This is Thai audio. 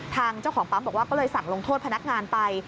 ทางเจ้าของปั๊มบอกว่าก็เลยสั่งลงโทษพนักงานไป